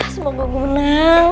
semoga gue menang